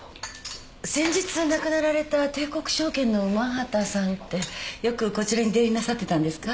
先日亡くなられた帝国証券の午端さんってよくこちらに出入りなさってたんですか？